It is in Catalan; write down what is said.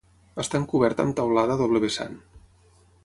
Estan coberta amb teulada a doble vessant.